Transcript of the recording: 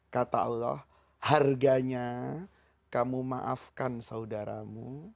kata allah harganya kamu maafkan saudaramu